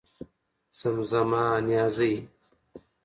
زمزمه نيازۍ